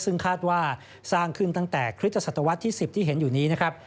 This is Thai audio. ซึ่งคาดว่าสร้างขึ้นตั้งแต่คริสตศตวรรษที่๑๐ที่เห็นอยู่นี้นะครับ